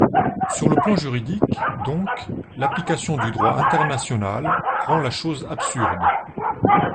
Sur le plan juridique, donc, l’application du droit international rend la chose absurde.